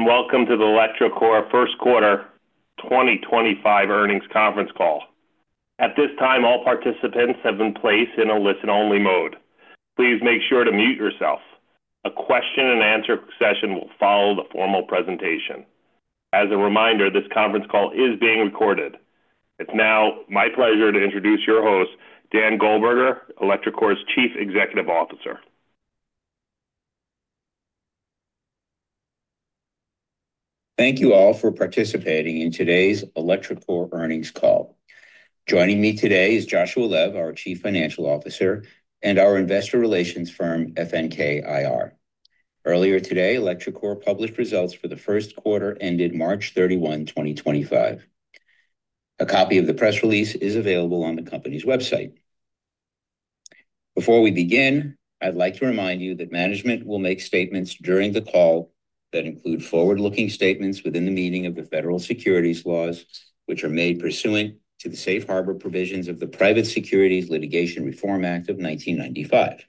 Welcome to the electroCore First Quarter 2025 earnings conference call. At this time, all participants have been placed in a listen-only mode. Please make sure to mute yourself. A question-and-answer session will follow the formal presentation. As a reminder, this conference call is being recorded. It is now my pleasure to introduce your host, Dan Goldberger, electroCore's Chief Executive Officer. Thank you all for participating in today's electroCore earnings call. Joining me today is Joshua Lev, our Chief Financial Officer, and our investor relations firm, FNK IR. Earlier today, electroCore published results for the first quarter ended March 31, 2025. A copy of the press release is available on the company's website. Before we begin, I'd like to remind you that management will make statements during the call that include forward-looking statements within the meaning of the federal securities laws, which are made pursuant to the safe harbor provisions of the Private Securities Litigation Reform Act of 1995.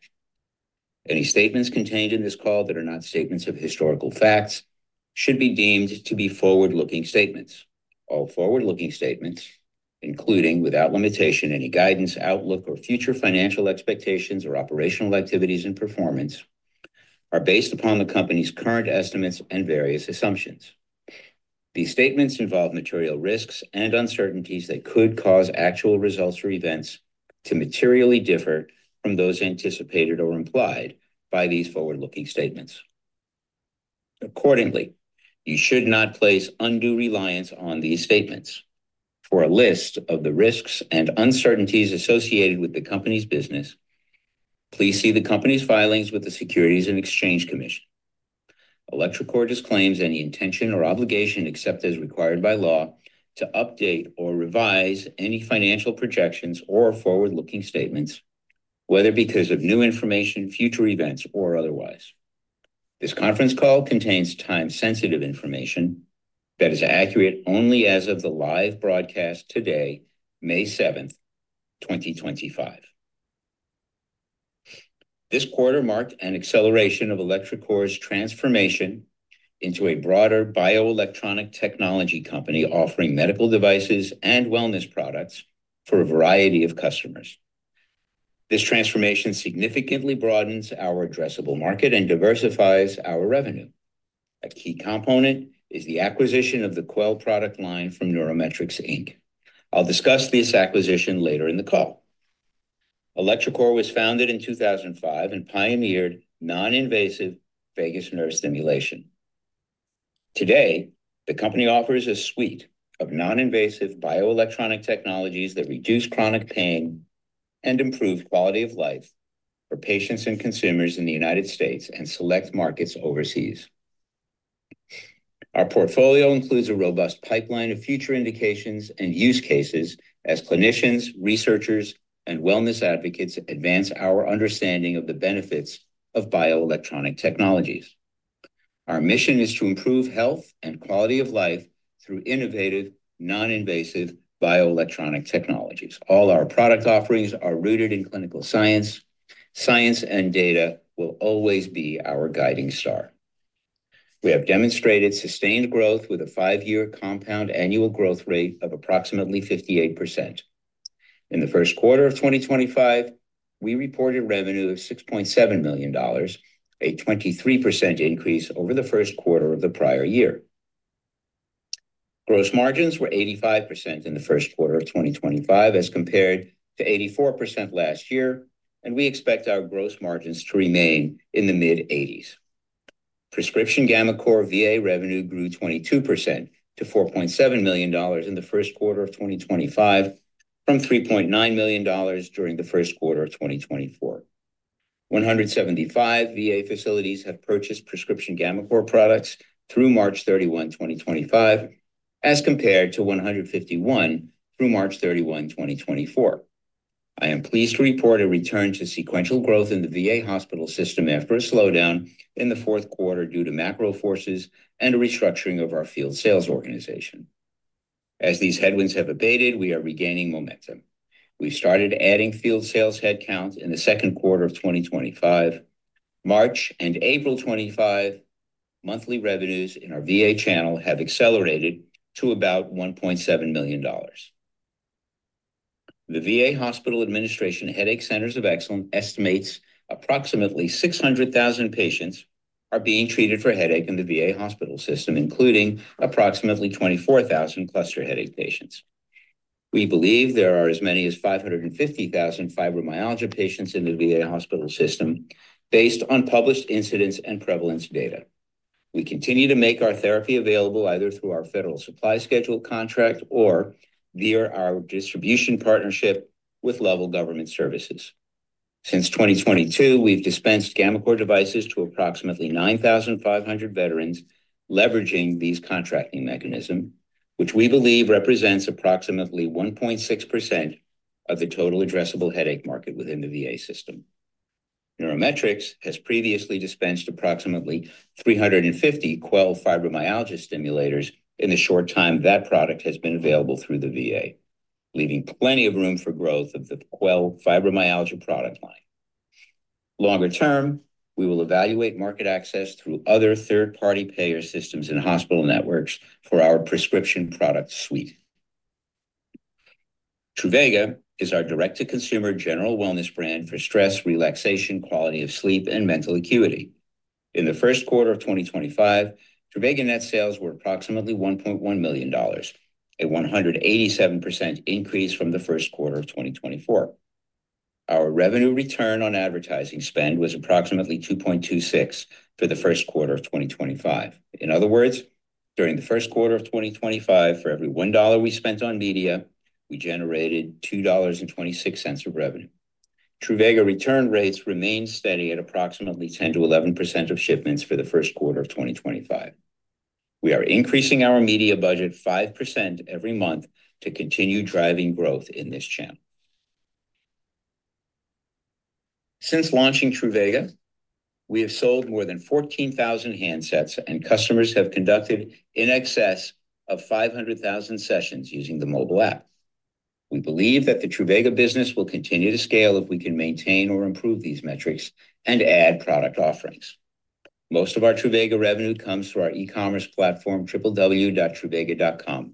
Any statements contained in this call that are not statements of historical facts should be deemed to be forward-looking statements. All forward-looking statements, including, without limitation, any guidance, outlook, or future financial expectations or operational activities and performance, are based upon the company's current estimates and various assumptions. These statements involve material risks and uncertainties that could cause actual results or events to materially differ from those anticipated or implied by these forward-looking statements. Accordingly, you should not place undue reliance on these statements. For a list of the risks and uncertainties associated with the company's business, please see the company's filings with the Securities and Exchange Commission. electroCore disclaims any intention or obligation, except as required by law, to update or revise any financial projections or forward-looking statements, whether because of new information, future events, or otherwise. This conference call contains time-sensitive information that is accurate only as of the live broadcast today, May 7, 2025. This quarter marked an acceleration of electroCore's transformation into a broader bioelectronic technology company offering medical devices and wellness products for a variety of customers. This transformation significantly broadens our addressable market and diversifies our revenue. A key component is the acquisition of the Quell product line from Neurometrics. I'll discuss this acquisition later in the call. electroCore was founded in 2005 and pioneered non-invasive vagus nerve stimulation. Today, the company offers a suite of non-invasive bioelectronic technologies that reduce chronic pain and improve quality of life for patients and consumers in the United States and select markets overseas. Our portfolio includes a robust pipeline of future indications and use cases as clinicians, researchers, and wellness advocates advance our understanding of the benefits of bioelectronic technologies. Our mission is to improve health and quality of life through innovative, non-invasive bioelectronic technologies. All our product offerings are rooted in clinical science. Science and data will always be our guiding star. We have demonstrated sustained growth with a five-year compound annual growth rate of approximately 58%. In the first quarter of 2025, we reported revenue of $6.7 million, a 23% increase over the first quarter of the prior year. Gross margins were 85% in the first quarter of 2025 as compared to 84% last year, and we expect our gross margins to remain in the mid-80s. Prescription gammaCore VA revenue grew 22% to $4.7 million in the first quarter of 2025 from $3.9 million during the first quarter of 2024. 175 VA facilities have purchased prescription gammaCore products through March 31, 2025, as compared to 151 through March 31, 2024. I am pleased to report a return to sequential growth in the VA hospital system after a slowdown in the fourth quarter due to macro forces and a restructuring of our field sales organization. As these headwinds have abated, we are regaining momentum. We've started adding field sales headcount in the second quarter of 2025. March and April 2025 monthly revenues in our VA channel have accelerated to about $1.7 million. The VA Hospital Administration Headache Centers of Excellence estimates approximately 600,000 patients are being treated for headache in the VA hospital system, including approximately 24,000 cluster headache patients. We believe there are as many as 550,000 fibromyalgia patients in the VA hospital system based on published incidence and prevalence data. We continue to make our therapy available either through our Federal Supply Schedule contract or via our distribution partnership with Level Government Services. Since 2022, we've dispensed gammaCore devices to approximately 9,500 veterans leveraging these contracting mechanisms, which we believe represents approximately 1.6% of the total addressable headache market within the VA system. Neurometrics has previously dispensed approximately 350 Quell fibromyalgia stimulators in the short time that product has been available through the VA, leaving plenty of room for growth of the Quell fibromyalgia product line. Longer term, we will evaluate market access through other third-party payer systems and hospital networks for our prescription product suite. Truvaga is our direct-to-consumer general wellness brand for stress, relaxation, quality of sleep, and mental acuity. In the first quarter of 2025, Truvaga net sales were approximately $1.1 million, a 187% increase from the first quarter of 2024. Our revenue return on advertising spend was approximately 2.26 for the first quarter of 2025. In other words, during the first quarter of 2025, for every $1 we spent on media, we generated $2.26 of revenue. Truvaga return rates remain steady at approximately 10%-11% of shipments for the first quarter of 2025. We are increasing our media budget 5% every month to continue driving growth in this channel. Since launching Truvaga, we have sold more than 14,000 handsets, and customers have conducted in excess of 500,000 sessions using the mobile app. We believe that the Truvaga business will continue to scale if we can maintain or improve these metrics and add product offerings. Most of our Truvaga revenue comes through our e-commerce platform, www.truvaga.com.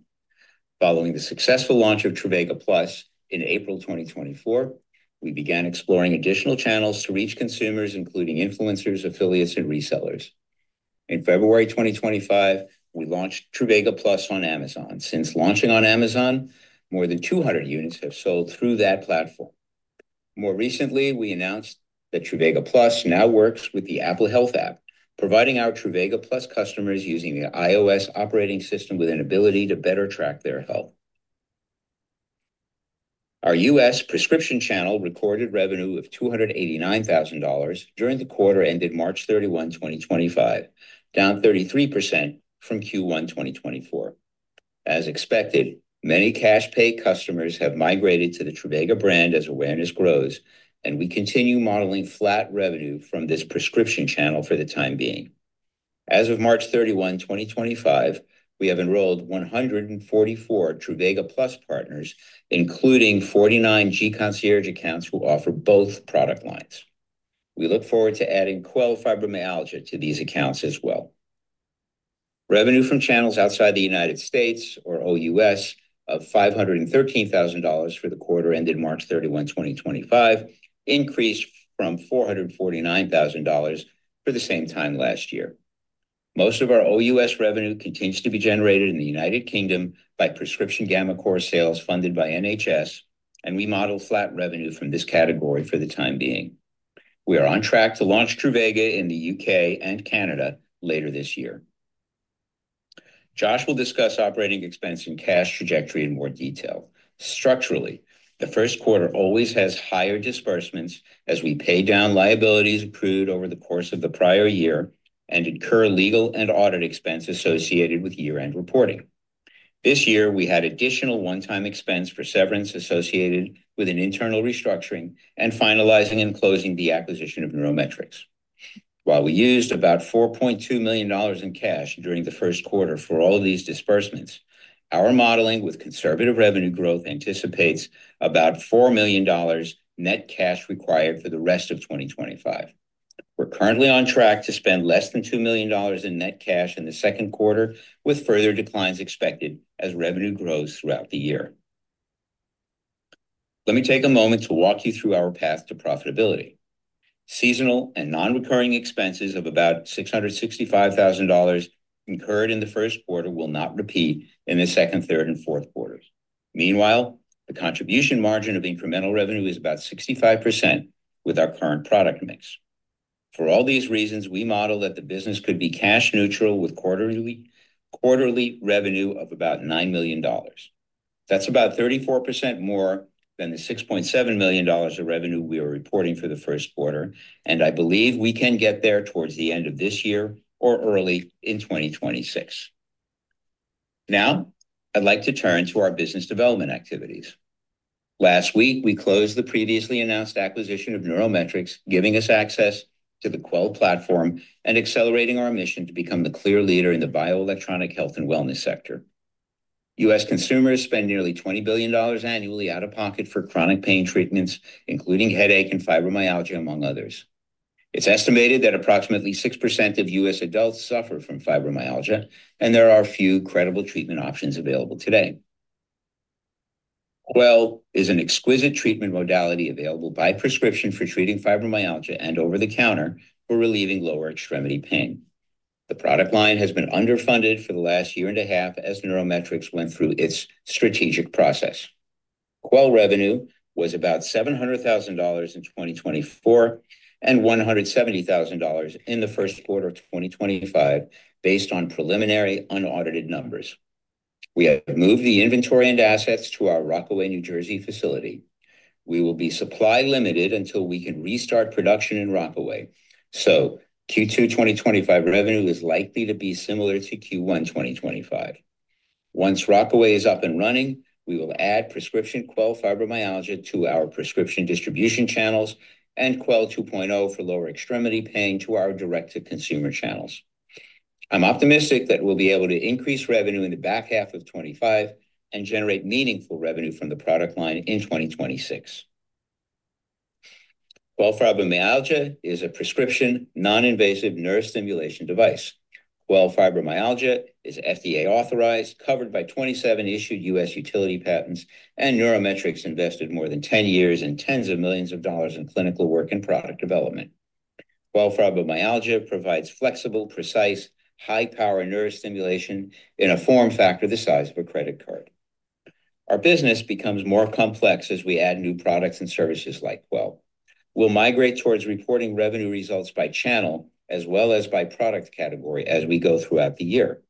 Following the successful launch of Truvaga Plus in April 2024, we began exploring additional channels to reach consumers, including influencers, affiliates, and resellers. In February 2025, we launched Truvaga Plus on Amazon. Since launching on Amazon, more than 200 units have sold through that platform. More recently, we announced that Truvaga Plus now works with the Apple Health app, providing our Truvaga Plus customers using the iOS operating system with an ability to better track their health. Our U.S. prescription channel recorded revenue of $289,000 during the quarter ended March 31, 2025, down 33% from Q1 2024. As expected, many cash-pay customers have migrated to the Truvaga brand as awareness grows, and we continue modeling flat revenue from this prescription channel for the time being. As of March 31, 2025, we have enrolled 144 Truvaga Plus partners, including 49 GConcierge accounts who offer both product lines. We look forward to adding Quell fibromyalgia to these accounts as well. Revenue from channels outside the U.S. or OUS of $513,000 for the quarter ended March 31, 2025, increased from $449,000 for the same time last year. Most of our OUS revenue continues to be generated in the United Kingdom by prescription gammaCore sales funded by NHS, and we model flat revenue from this category for the time being. We are on track to launch Truvaga in the U.K. and Canada later this year. Josh will discuss operating expense and cash trajectory in more detail. Structurally, the first quarter always has higher disbursements as we pay down liabilities accrued over the course of the prior year and incur legal and audit expense associated with year-end reporting. This year, we had additional one-time expense for severance associated with an internal restructuring and finalizing and closing the acquisition of Neurometrics. While we used about $4.2 million in cash during the first quarter for all these disbursements, our modeling with conservative revenue growth anticipates about $4 million net cash required for the rest of 2025. We're currently on track to spend less than $2 million in net cash in the second quarter, with further declines expected as revenue grows throughout the year. Let me take a moment to walk you through our path to profitability. Seasonal and non-recurring expenses of about $665,000 incurred in the first quarter will not repeat in the second, third, and fourth quarters. Meanwhile, the contribution margin of incremental revenue is about 65% with our current product mix. For all these reasons, we model that the business could be cash neutral with quarterly revenue of about $9 million. That's about 34% more than the $6.7 million of revenue we are reporting for the first quarter, and I believe we can get there towards the end of this year or early in 2026. Now, I'd like to turn to our business development activities. Last week, we closed the previously announced acquisition of Neurometrics, giving us access to the Quell platform and accelerating our mission to become the clear leader in the bioelectronic health and wellness sector. U.S. Consumers spend nearly $20 billion annually out of pocket for chronic pain treatments, including headache and fibromyalgia, among others. It's estimated that approximately 6% of U.S. adults suffer from fibromyalgia, and there are few credible treatment options available today. Quell is an exquisite treatment modality available by prescription for treating fibromyalgia and over-the-counter for relieving lower extremity pain. The product line has been underfunded for the last year and a half as Neurometrics went through its strategic process. Quell revenue was about $700,000 in 2024 and $170,000 in the first quarter of 2025, based on preliminary unaudited numbers. We have moved the inventory and assets to our Rockaway, New Jersey, facility. We will be supply limited until we can restart production in Rockaway, so Q2 2025 revenue is likely to be similar to Q1 2025. Once Rockaway is up and running, we will add prescription Quell fibromyalgia to our prescription distribution channels and Quell 2.0 for lower extremity pain to our direct-to-consumer channels. I'm optimistic that we'll be able to increase revenue in the back half of 2025 and generate meaningful revenue from the product line in 2026. Quell fibromyalgia is a prescription non-invasive nerve stimulation device. Quell fibromyalgia is FDA authorized, covered by 27 issued U.S. utility patents, and Neurometrics invested more than 10 years and tens of millions of dollars in clinical work and product development. Quell fibromyalgia provides flexible, precise, high-power nerve stimulation in a form factor the size of a credit card. Our business becomes more complex as we add new products and services like Quell. We'll migrate towards reporting revenue results by channel as well as by product category as we go throughout the year.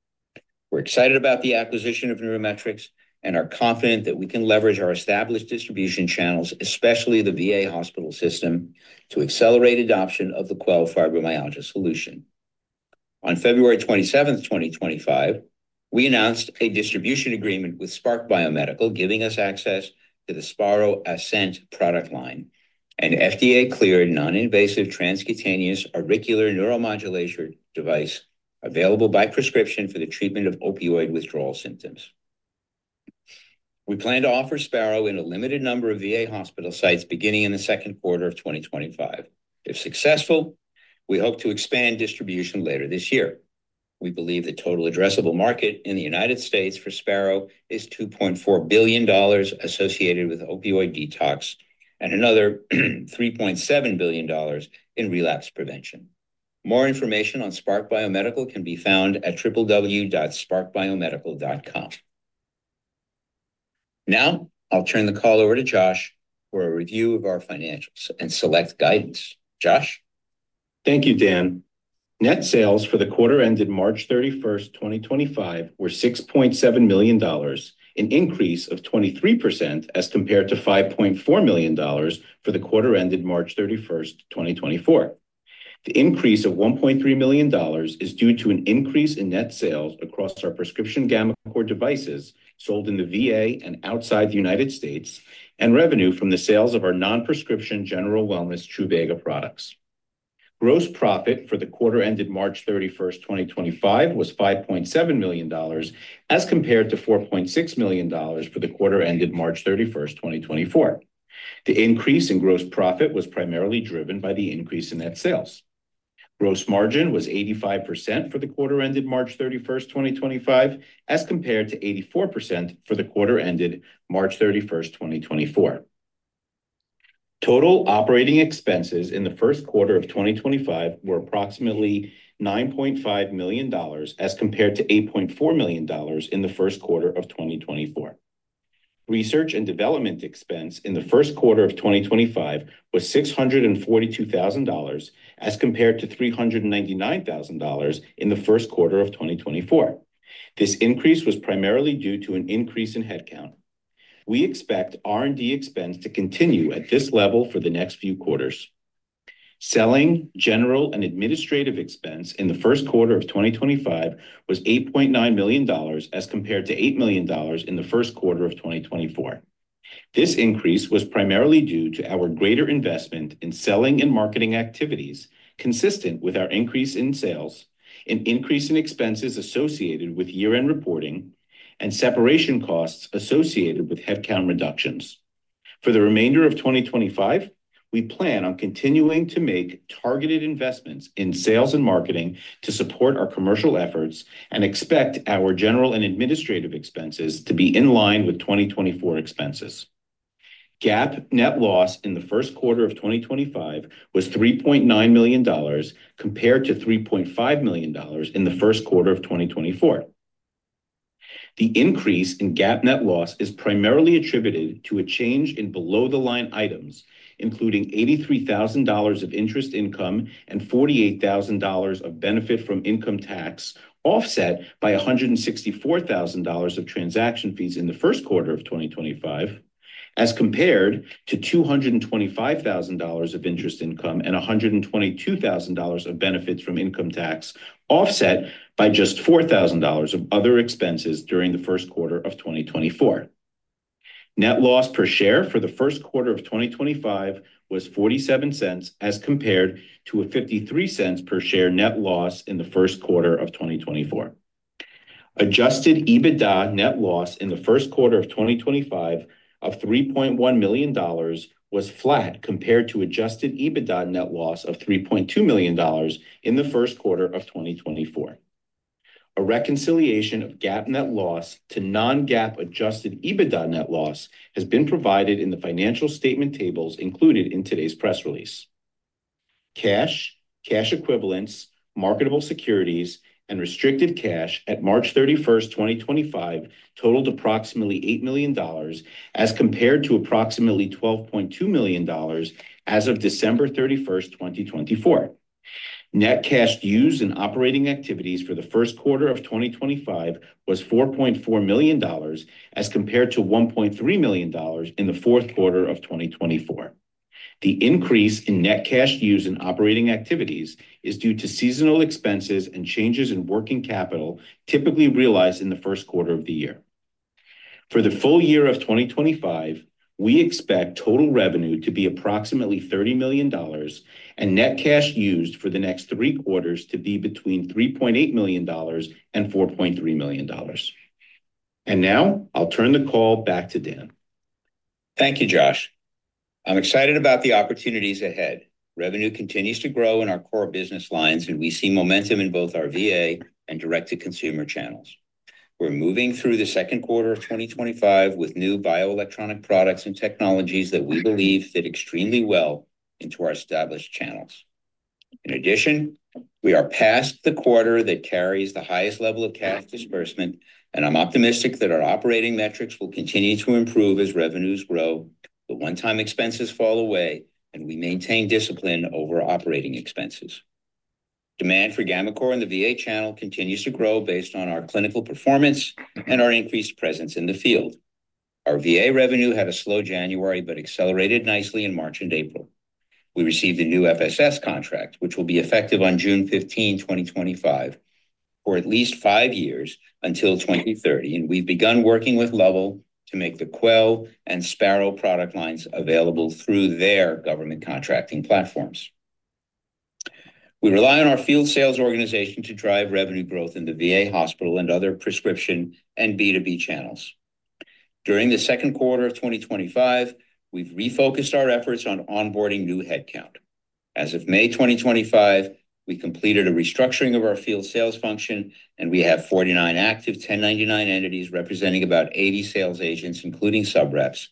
We're excited about the acquisition of Neurometrics and are confident that we can leverage our established distribution channels, especially the VA hospital system, to accelerate adoption of the Quell fibromyalgia solution. On February 27, 2025, we announced a distribution agreement with Spark Biomedical, giving us access to the Sparrow Ascent product line, an FDA-cleared non-invasive transcutaneous auricular neuromodulator device available by prescription for the treatment of opioid withdrawal symptoms. We plan to offer Sparrow in a limited number of VA hospital sites beginning in the second quarter of 2025. If successful, we hope to expand distribution later this year. We believe the total addressable market in the United States for Sparrow is $2.4 billion associated with opioid detox and another $3.7 billion in relapse prevention. More information on Spark Biomedical can be found at www.sparkbiomedical.com. Now, I'll turn the call over to Josh for a review of our financials and select guidance. Josh? Thank you, Dan. Net sales for the quarter ended March 31, 2025, were $6.7 million, an increase of 23% as compared to $5.4 million for the quarter ended March 31, 2024. The increase of $1.3 million is due to an increase in net sales across our prescription gammaCore devices sold in the VA and outside the United States, and revenue from the sales of our non-prescription general wellness Truvaga products. Gross profit for the quarter ended March 31, 2025, was $5.7 million as compared to $4.6 million for the quarter ended March 31, 2024. The increase in gross profit was primarily driven by the increase in net sales. Gross margin was 85% for the quarter ended March 31, 2025, as compared to 84% for the quarter ended March 31, 2024. Total operating expenses in the first quarter of 2025 were approximately $9.5 million as compared to $8.4 million in the first quarter of 2024. Research and development expense in the first quarter of 2025 was $642,000 as compared to $399,000 in the first quarter of 2024. This increase was primarily due to an increase in headcount. We expect R&D expense to continue at this level for the next few quarters. Selling, general, and administrative expense in the first quarter of 2025 was $8.9 million as compared to $8 million in the first quarter of 2024. This increase was primarily due to our greater investment in selling and marketing activities consistent with our increase in sales, an increase in expenses associated with year-end reporting, and separation costs associated with headcount reductions. For the remainder of 2025, we plan on continuing to make targeted investments in sales and marketing to support our commercial efforts and expect our general and administrative expenses to be in line with 2024 expenses. GAAP net loss in the first quarter of 2025 was $3.9 million compared to $3.5 million in the first quarter of 2024. The increase in GAAP net loss is primarily attributed to a change in below-the-line items, including $83,000 of interest income and $48,000 of benefit from income tax offset by $164,000 of transaction fees in the first quarter of 2025, as compared to $225,000 of interest income and $122,000 of benefits from income tax offset by just $4,000 of other expenses during the first quarter of 2024. Net loss per share for the first quarter of 2025 was $0.47 as compared to a $0.53 per share net loss in the first quarter of 2024. Adjusted EBITDA net loss in the first quarter of 2025 of $3.1 million was flat compared to adjusted EBITDA net loss of $3.2 million in the first quarter of 2024. A reconciliation of GAAP net loss to non-GAAP adjusted EBITDA net loss has been provided in the financial statement tables included in today's press release. Cash, cash equivalents, marketable securities, and restricted cash at March 31, 2025, totaled approximately $8 million as compared to approximately $12.2 million as of December 31, 2024. Net cash used in operating activities for the first quarter of 2025 was $4.4 million as compared to $1.3 million in the fourth quarter of 2024. The increase in net cash used in operating activities is due to seasonal expenses and changes in working capital typically realized in the first quarter of the year. For the full year of 2025, we expect total revenue to be approximately $30 million and net cash used for the next three quarters to be between $3.8 million and $4.3 million. Now, I'll turn the call back to Dan. Thank you, Josh. I'm excited about the opportunities ahead. Revenue continues to grow in our core business lines, and we see momentum in both our VA and direct-to-consumer channels. We're moving through the second quarter of 2025 with new bioelectronic products and technologies that we believe fit extremely well into our established channels. In addition, we are past the quarter that carries the highest level of cash disbursement, and I'm optimistic that our operating metrics will continue to improve as revenues grow, the one-time expenses fall away, and we maintain discipline over operating expenses. Demand for gammaCore in the VA channel continues to grow based on our clinical performance and our increased presence in the field. Our VA revenue had a slow January but accelerated nicely in March and April. We received a new FSS contract, which will be effective on June 15, 2025, for at least five years until 2030, and we've begun working with Level to make the Quell and Sparrow Ascent product lines available through their government contracting platforms. We rely on our field sales organization to drive revenue growth in the VA hospital and other prescription and B2B channels. During the second quarter of 2025, we've refocused our efforts on onboarding new headcount. As of May 2025, we completed a restructuring of our field sales function, and we have 49 active 1099 entities representing about 80 sales agents, including subreps,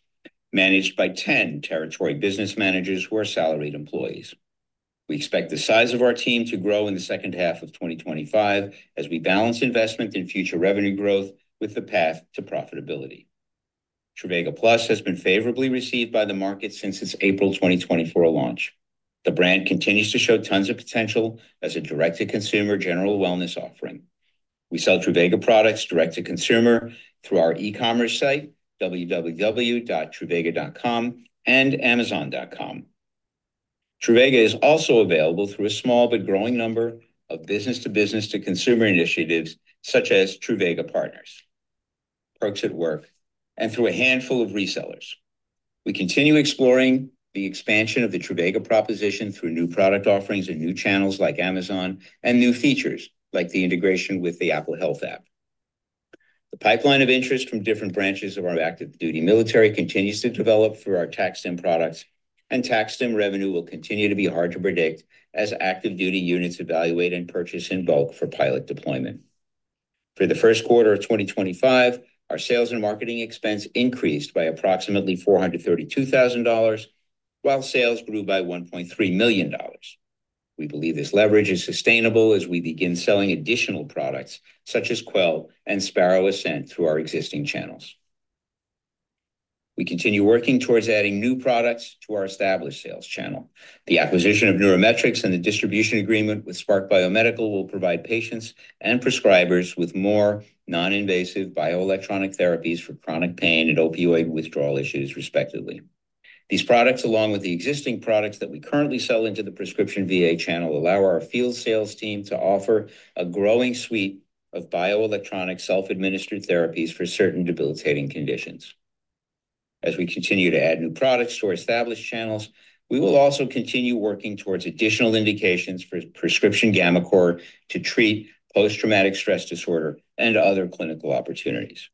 managed by 10 territory business managers who are salaried employees. We expect the size of our team to grow in the second half of 2025 as we balance investment and future revenue growth with the path to profitability. Truvaga Plus has been favorably received by the market since its April 2024 launch. The brand continues to show tons of potential as a direct-to-consumer general wellness offering. We sell Truvaga products direct-to-consumer through our e-commerce site, www.truvaga.com, and amazon.com. Truvaga is also available through a small but growing number of business-to-business-to-consumer initiatives such as Truvaga Partners, Perks at Work, and through a handful of resellers. We continue exploring the expansion of the Truvaga proposition through new product offerings and new channels like Amazon and new features like the integration with the Apple Health app. The pipeline of interest from different branches of our active duty military continues to develop through our TacStim products, and TacStim revenue will continue to be hard to predict as active duty units evaluate and purchase in bulk for pilot deployment. For the first quarter of 2025, our sales and marketing expense increased by approximately $432,000, while sales grew by $1.3 million. We believe this leverage is sustainable as we begin selling additional products such as Quell and Sparrow Ascent through our existing channels. We continue working towards adding new products to our established sales channel. The acquisition of Neurometrics and the distribution agreement with Spark Biomedical will provide patients and prescribers with more non-invasive bioelectronic therapies for chronic pain and opioid withdrawal issues, respectively. These products, along with the existing products that we currently sell into the prescription VA channel, allow our field sales team to offer a growing suite of bioelectronic self-administered therapies for certain debilitating conditions. As we continue to add new products to our established channels, we will also continue working towards additional indications for prescription gammaCore to treat post-traumatic stress disorder and other clinical opportunities.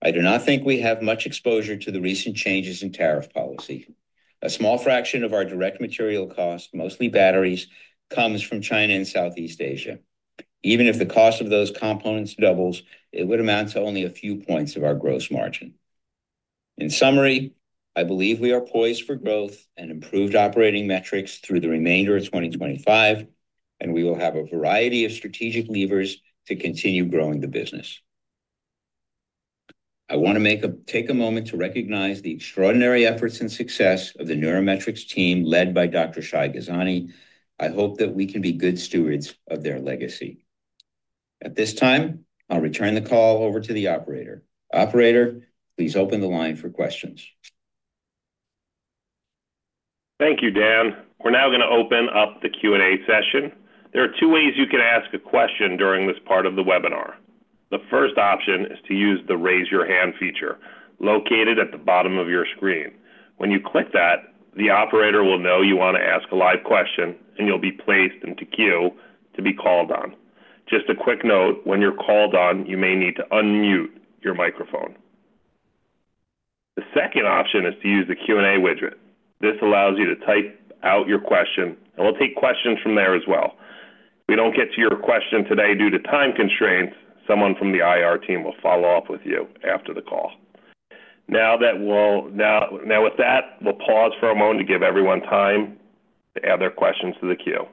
I do not think we have much exposure to the recent changes in tariff policy. A small fraction of our direct material cost, mostly batteries, comes from China and Southeast Asia. Even if the cost of those components doubles, it would amount to only a few points of our gross margin. In summary, I believe we are poised for growth and improved operating metrics through the remainder of 2025, and we will have a variety of strategic levers to continue growing the business. I want to take a moment to recognize the extraordinary efforts and success of the Neurometrics team led by Dr. Shai Gozani. I hope that we can be good stewards of their legacy. At this time, I'll return the call over to the operator. Operator, please open the line for questions. Thank you, Dan. We're now going to open up the Q&A session. There are two ways you can ask a question during this part of the webinar. The first option is to use the raise your hand feature located at the bottom of your screen. When you click that, the operator will know you want to ask a live question, and you'll be placed into queue to be called on. Just a quick note, when you're called on, you may need to unmute your microphone. The second option is to use the Q&A widget. This allows you to type out your question, and we'll take questions from there as well. If we don't get to your question today due to time constraints, someone from the IR team will follow up with you after the call. Now, with that, we'll pause for a moment to give everyone time to add their questions to the queue.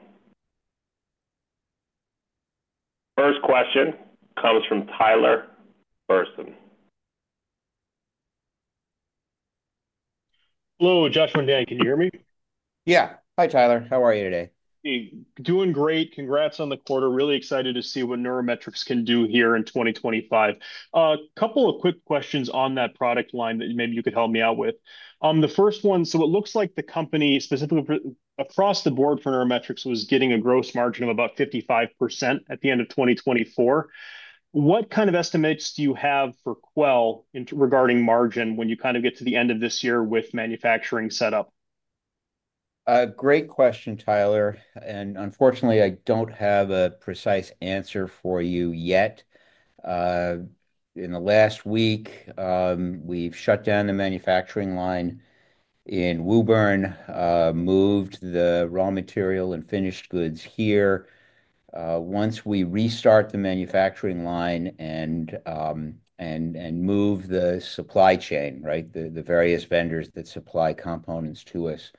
First question comes from Tyler Burson. Hello, Joshua and Dan, can you hear me? Yeah. Hi, Tyler. How are you today? Doing great. Congrats on the quarter. Really excited to see what Neurometrics can do here in 2025. A couple of quick questions on that product line that maybe you could help me out with. The first one, so it looks like the company specifically across the board for Neurometrics was getting a gross margin of about 55% at the end of 2024. What kind of estimates do you have for Quell regarding margin when you kind of get to the end of this year with manufacturing set up? Great question, Tyler. Unfortunately, I don't have a precise answer for you yet. In the last week, we've shut down the manufacturing line in Woburn, moved the raw material and finished goods here. Once we restart the manufacturing line and move the supply chain, right, the various vendors that supply components to us,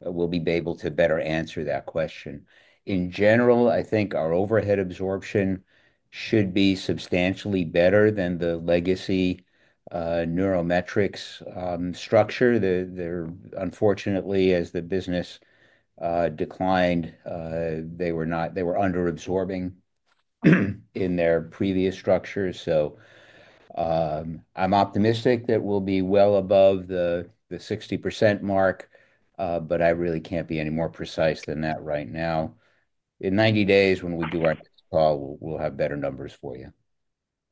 we'll be able to better answer that question. In general, I think our overhead absorption should be substantially better than the legacy Neurometrics structure. Unfortunately, as the business declined, they were underabsorbing in their previous structure. I'm optimistic that we'll be well above the 60% mark, but I really can't be any more precise than that right now. In 90 days, when we do our call, we'll have better numbers for you.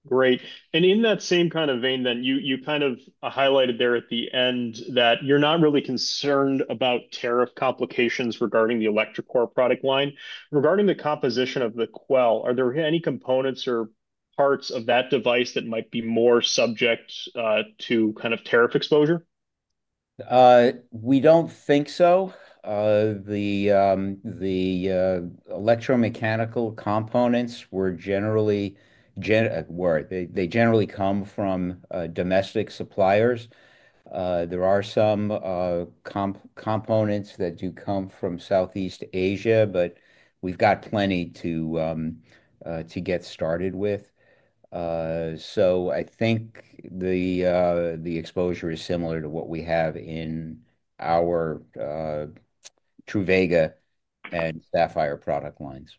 Great. In that same kind of vein, you kind of highlighted there at the end that you're not really concerned about tariff complications regarding the electrical product line. Regarding the composition of the Quell, are there any components or parts of that device that might be more subject to tariff exposure? We don't think so. The electromechanical components generally come from domestic suppliers. There are some components that do come from Southeast Asia, but we've got plenty to get started with. I think the exposure is similar to what we have in our Truvaga and Sapphire product lines.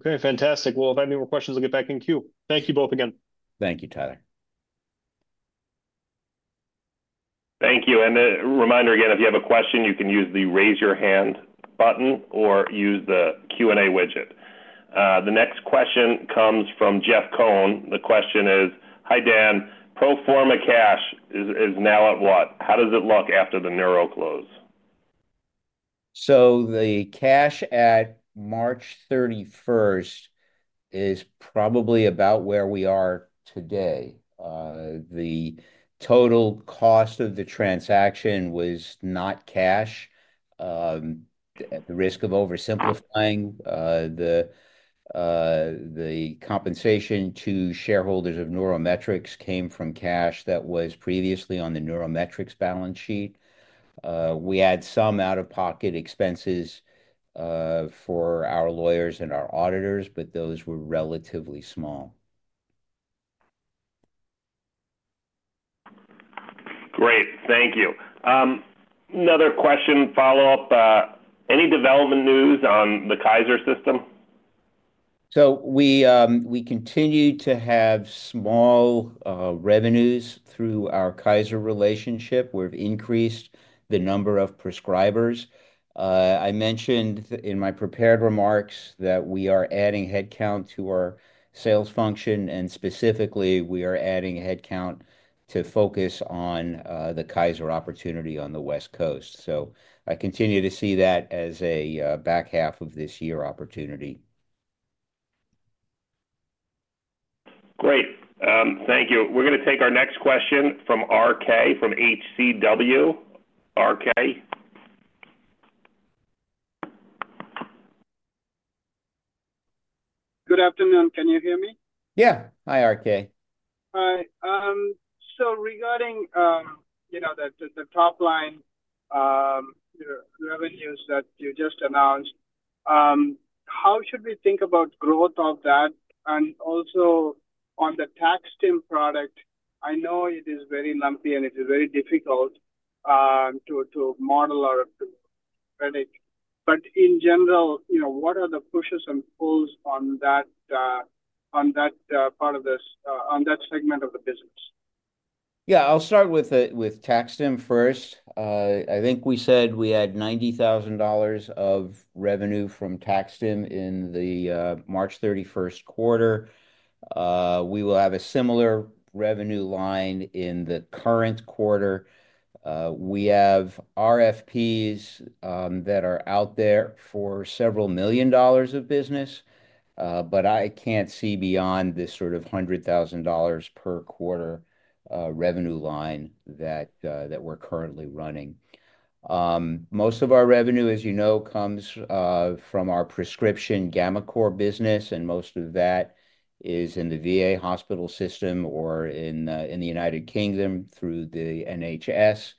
Okay. Fantastic. If I have any more questions, I'll get back in queue. Thank you both again. Thank you, Tyler. Thank you. A reminder again, if you have a question, you can use the raise your hand button or use the Q&A widget. The next question comes from Jeff Cohen. The question is, "Hi Dan, pro forma cash is now at what? How does it look after the NeuroClose?" The cash at March 31 is probably about where we are today. The total cost of the transaction was not cash. At the risk of oversimplifying, the compensation to shareholders of Neurometrics came from cash that was previously on the Neurometrics balance sheet. We had some out-of-pocket expenses for our lawyers and our auditors, but those were relatively small. Great. Thank you. Another question, follow-up. Any development news on the Kaiser system? We continue to have small revenues through our Kaiser relationship. We've increased the number of prescribers. I mentioned in my prepared remarks that we are adding headcount to our sales function, and specifically, we are adding headcount to focus on the Kaiser opportunity on the West Coast. I continue to see that as a back half of this year opportunity. Great. Thank you. We're going to take our next question from RK from HCW. RK. Good afternoon. Can you hear me? Yeah. Hi, RK. Hi. Regarding the top-line revenues that you just announced, how should we think about growth of that? Also, on the TacStim product, I know it is very lumpy and it is very difficult to model or predict. But in general, what are the pushes and pulls on that part of this, on that segment of the business? Yeah. I'll start with TacStim first. I think we said we had $90,000 of revenue from TacStim in the March 31st quarter. We will have a similar revenue line in the current quarter. We have RFPs that are out there for several million dollars of business, but I can't see beyond this sort of $100,000 per quarter revenue line that we're currently running. Most of our revenue, as you know, comes from our prescription gammaCore business, and most of that is in the VA hospital system or in the United Kingdom through the NHS.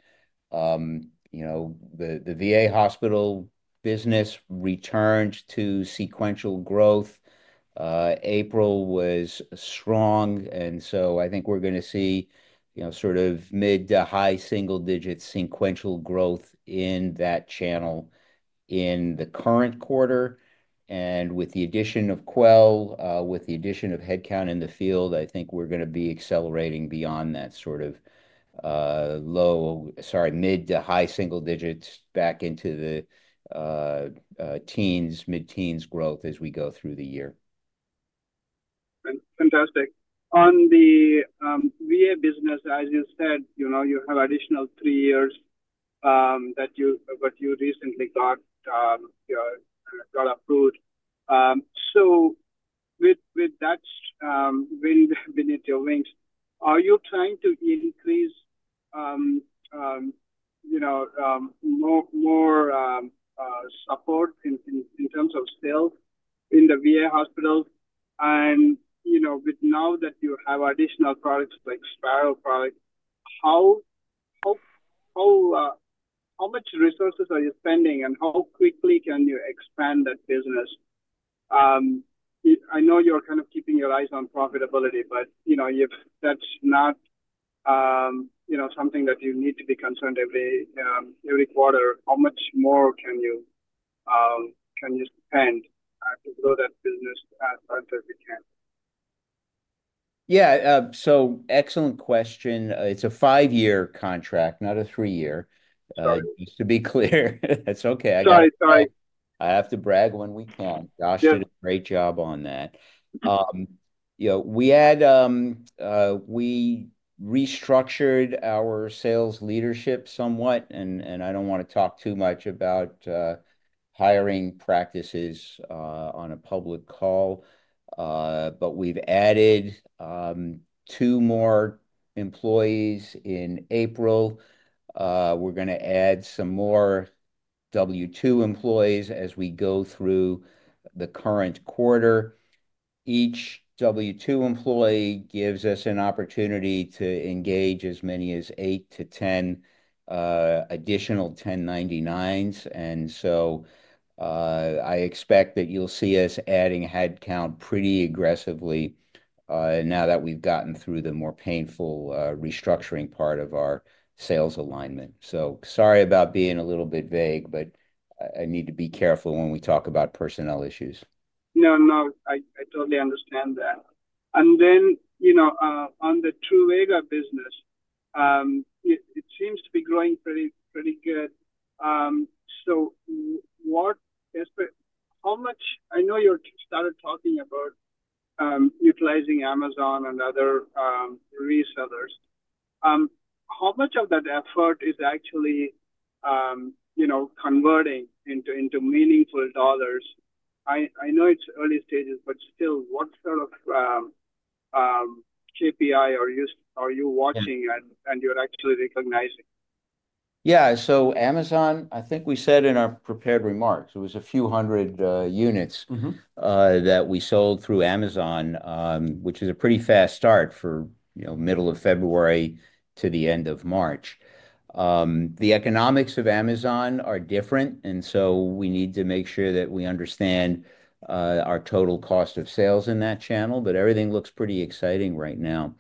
The VA hospital business returned to sequential growth. April was strong, and so I think we're going to see sort of mid to high single-digit sequential growth in that channel in the current quarter. With the addition of Quell, with the addition of headcount in the field, I think we're going to be accelerating beyond that sort of low, sorry, mid to high single digits back into the teens, mid-teens growth as we go through the year. Fantastic. On the VA business, as you said, you have additional three years that you recently got approved. With that wind beneath your wings, are you trying to increase more support in terms of sales in the VA hospitals? Now that you have additional products like Sparrow products, how much resources are you spending, and how quickly can you expand that business? I know you're kind of keeping your eyes on profitability, but if that's not something that you need to be concerned every quarter, how much more can you spend to grow that business as much as you can? Yeah. Excellent question. It's a five-year contract, not a three-year. Just to be clear, that's okay. Sorry, sorry. I have to brag when we can. Josh did a great job on that. We restructured our sales leadership somewhat, and I don't want to talk too much about hiring practices on a public call, but we've added two more employees in April. We're going to add some more W-2 employees as we go through the current quarter. Each W-2 employee gives us an opportunity to engage as many as 8-10 additional 1099s. I expect that you'll see us adding headcount pretty aggressively now that we've gotten through the more painful restructuring part of our sales alignment. Sorry about being a little bit vague, but I need to be careful when we talk about personnel issues. No, no. I totally understand that. On the Truvaga business, it seems to be growing pretty good. How much, I know you started talking about utilizing Amazon and other resellers. How much of that effort is actually converting into meaningful dollars? I know it's early stages, but still, what sort of KPI are you watching and you're actually recognizing? Yeah. Amazon, I think we said in our prepared remarks, it was a few hundred units that we sold through Amazon, which is a pretty fast start for middle of February to the end of March. The economics of Amazon are different, and we need to make sure that we understand our total cost of sales in that channel, but everything looks pretty exciting right now.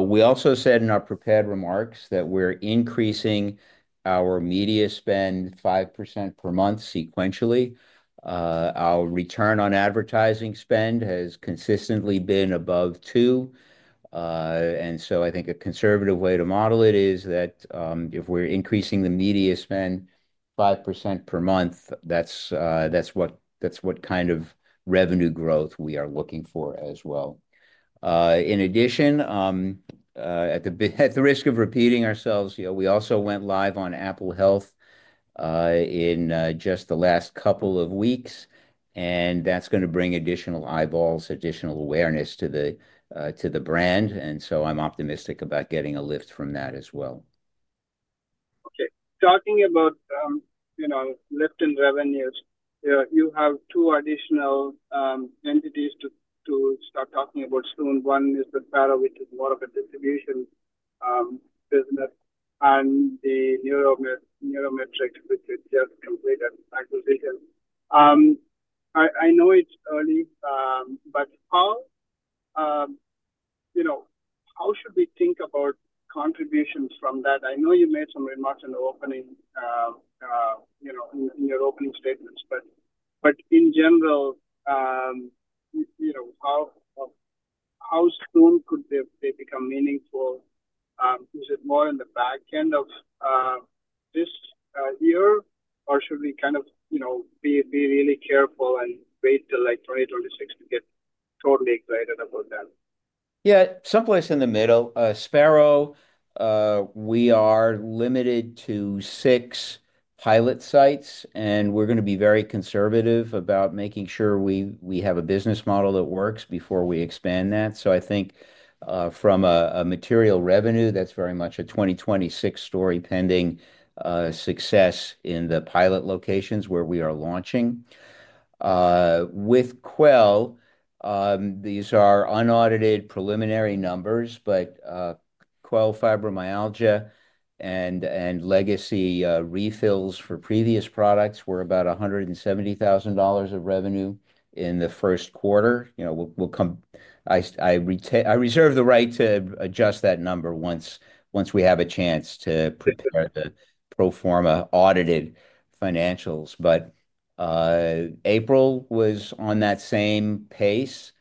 We also said in our prepared remarks that we're increasing our media spend 5% per month sequentially. Our return on advertising spend has consistently been above 2. I think a conservative way to model it is that if we're increasing the media spend 5% per month, that's what kind of revenue growth we are looking for as well. In addition, at the risk of repeating ourselves, we also went live on Apple Health in just the last couple of weeks, and that's going to bring additional eyeballs, additional awareness to the brand. I'm optimistic about getting a lift from that as well. Okay. Talking about lift in revenues, you have two additional entities to start talking about soon. One is the Sparrow, which is more of a distribution business, and the Neurometrics, which is just completed acquisition. I know it's early, but how should we think about contributions from that? I know you made some remarks in your opening statements, but in general, how soon could they become meaningful? Is it more in the back end of this year, or should we kind of be really careful and wait till like 2026 to get totally excited about that? Yeah. Someplace in the middle. Sparrow, we are limited to six pilot sites, and we're going to be very conservative about making sure we have a business model that works before we expand that. I think from a material revenue, that's very much a 2026 story pending success in the pilot locations where we are launching. With Quell, these are unaudited preliminary numbers, but Quell fibromyalgia and legacy refills for previous products were about $170,000 of revenue in the first quarter. I reserve the right to adjust that number once we have a chance to prepare the Proforma audited financials. April was on that same pace.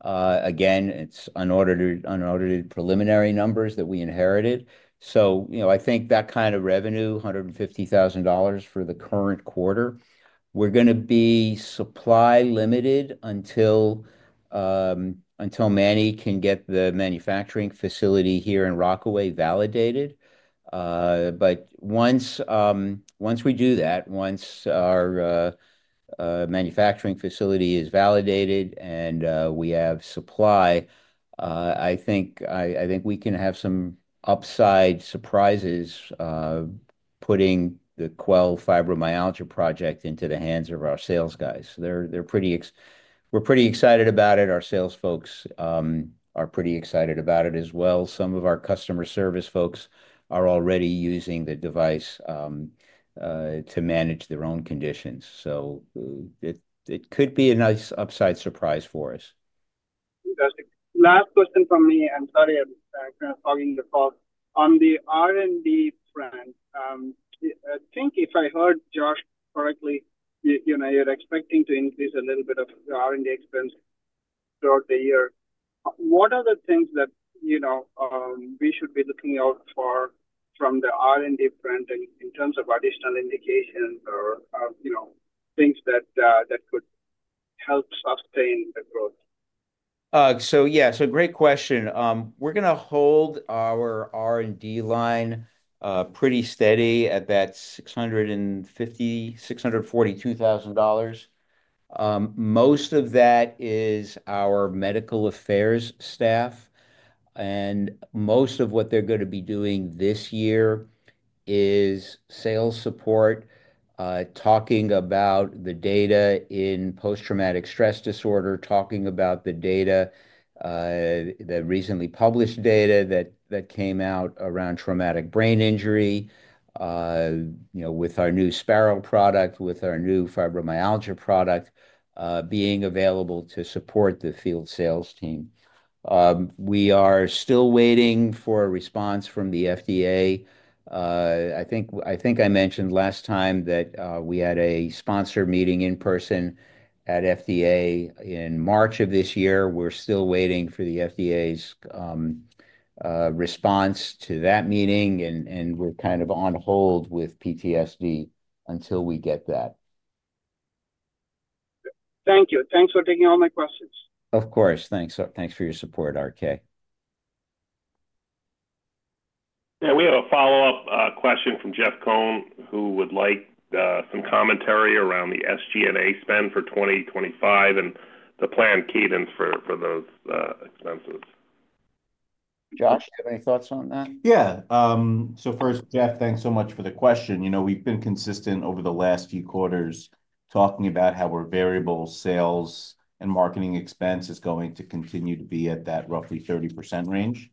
Again, it's unaudited preliminary numbers that we inherited. I think that kind of revenue, $150,000 for the current quarter, we're going to be supply limited until Manny can get the manufacturing facility here in Rockaway validated. Once we do that, once our manufacturing facility is validated and we have supply, I think we can have some upside surprises putting the Quell fibromyalgia project into the hands of our sales guys. We're pretty excited about it. Our sales folks are pretty excited about it as well. Some of our customer service folks are already using the device to manage their own conditions. It could be a nice upside surprise for us. Fantastic. Last question from me. I'm sorry I'm kind of fogging the thought. On the R&D front, I think if I heard Josh correctly, you're expecting to increase a little bit of the R&D expense throughout the year. What are the things that we should be looking out for from the R&D front in terms of additional indications or things that could help sustain the growth? Yeah, great question. We're going to hold our R&D line pretty steady at that $642,000. Most of that is our medical affairs staff. Most of what they're going to be doing this year is sales support, talking about the data in post-traumatic stress disorder, talking about the recently published data that came out around traumatic brain injury with our new Sparrow product, with our new fibromyalgia product being available to support the field sales team. We are still waiting for a response from the FDA. I think I mentioned last time that we had a sponsor meeting in person at FDA in March of this year. We're still waiting for the FDA's response to that meeting, and we're kind of on hold with PTSD until we get that. Thank you. Thanks for taking all my questions. Of course. Thanks for your support, RK. Yeah. We have a follow-up question from Jeff Cohen, who would like some commentary around the SG&A spend for 2025 and the planned cadence for those expenses. Josh, do you have any thoughts on that? Yeah. So first, Jeff, thanks so much for the question. We've been consistent over the last few quarters talking about how our variable sales and marketing expense is going to continue to be at that roughly 30% range.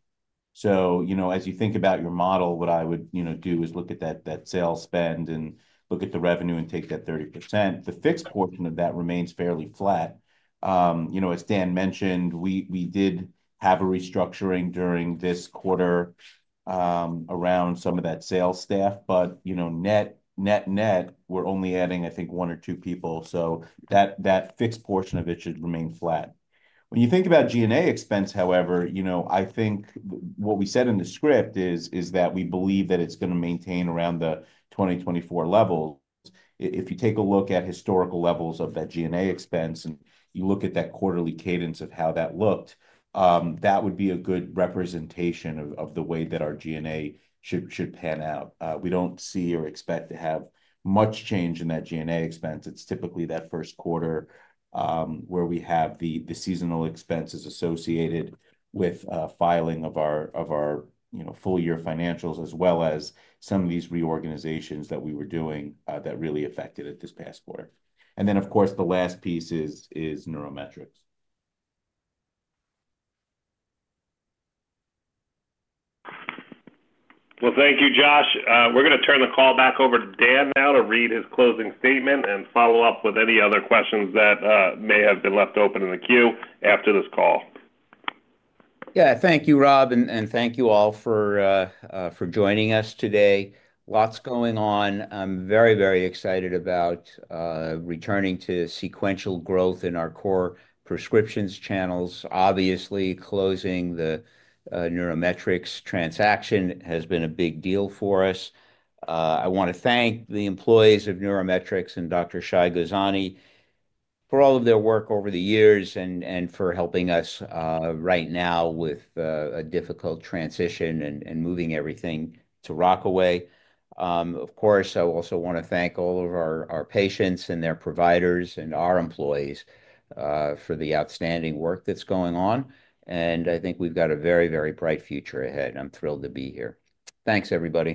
As you think about your model, what I would do is look at that sales spend and look at the revenue and take that 30%. The fixed portion of that remains fairly flat. As Dan mentioned, we did have a restructuring during this quarter around some of that sales staff, but net net, we're only adding, I think, one or two people. That fixed portion of it should remain flat. When you think about G&A expense, however, I think what we said in the script is that we believe that it's going to maintain around the 2024 levels. If you take a look at historical levels of that G&A expense and you look at that quarterly cadence of how that looked, that would be a good representation of the way that our G&A should pan out. We do not see or expect to have much change in that G&A expense. It is typically that first quarter where we have the seasonal expenses associated with filing of our full-year financials, as well as some of these reorganizations that we were doing that really affected it this past quarter. Of course, the last piece is Neurometrics. Thank you, Josh. We are going to turn the call back over to Dan now to read his closing statement and follow up with any other questions that may have been left open in the queue after this call. Yeah. Thank you, Rob, and thank you all for joining us today. Lots going on. I am very, very excited about returning to sequential growth in our core prescriptions channels. Obviously, closing the Neurometrics transaction has been a big deal for us. I want to thank the employees of Neurometrics and Dr. Shai Gozani for all of their work over the years and for helping us right now with a difficult transition and moving everything to Rockaway. Of course, I also want to thank all of our patients and their providers and our employees for the outstanding work that's going on. I think we've got a very, very bright future ahead. I'm thrilled to be here. Thanks, everybody.